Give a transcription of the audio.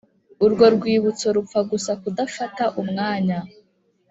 urwo rwibutso rupfa gusa kudafata umwanya.